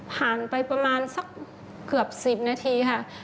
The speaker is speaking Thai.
ผ่านไปประมาณสักเกือบ๑๐นาทีค่ะ